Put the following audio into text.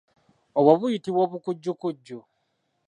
Obw'o buyitibwa obukukujju.